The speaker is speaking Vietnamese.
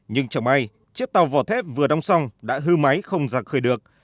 nhưng chẳng may chiếc tàu vỏ thép vừa đóng xong đã hư máy không ra khơi được